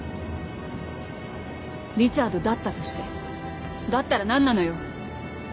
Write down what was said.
リチャードだったとしてだったら何なのよ？